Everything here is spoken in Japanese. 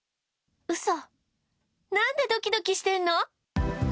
嘘、何でドキドキしてんの？